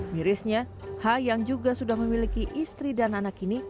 mirisnya h yang juga sudah memiliki istri dan anak ini